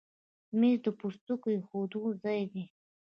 مېز د پوستکو ایښودو ځای دی.